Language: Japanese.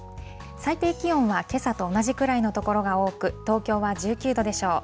最低気温はけさと同じくらいの所が多く、東京は１９度でしょう。